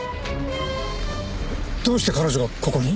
どうして彼女がここに？